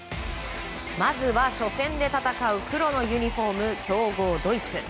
まずは初戦で戦う黒のユニホーム強豪ドイツ。